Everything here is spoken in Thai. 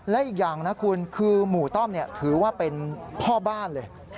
และอีกอย่างนะคุณคือหมู่ต้อมถือว่าเป็นพ่อบ้านเลย